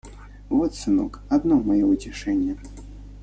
Вот сынок, одно мое утешение.